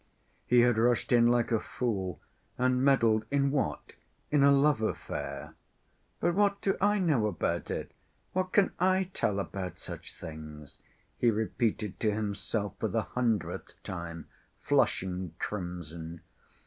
He had rushed in like a fool, and meddled in what? In a love‐affair. "But what do I know about it? What can I tell about such things?" he repeated to himself for the hundredth time, flushing crimson.